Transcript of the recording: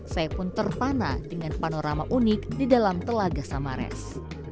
saya pun terpana dengan panorama unik di dalam telaga samares